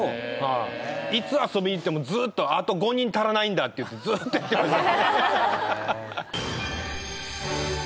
いつ遊びに行ってもずっと「あと５人足らないんだ」って言ってずーっとやってました。